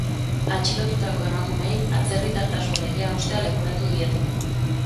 Atxilotutako emakumeei atzerritartasun legea haustea leporatu diete.